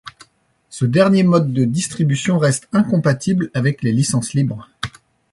Ce dernier mode de distribution reste incompatible avec les licences libres.